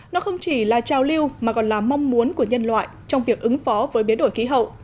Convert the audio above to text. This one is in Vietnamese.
nó không chỉ là trao lưu mà còn là mong muốn của nhân loại trong việc ứng phó với biến đổi khí hậu